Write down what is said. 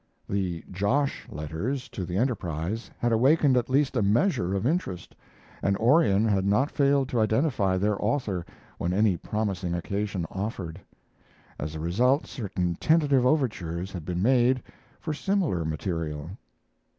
The "Josh" letters to the Enterprise had awakened at least a measure of interest, and Orion had not failed to identify their author when any promising occasion offered; as a result certain tentative overtures had been made for similar material.